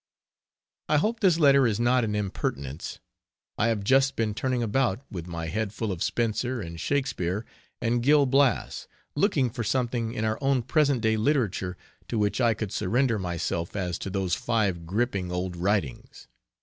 I hope this letter is not an impertinence. I have just been turning about, with my head full of Spenser and Shakespeare and "Gil Blas," looking for something in our own present day literature to which I could surrender myself as to those five gripping old writings.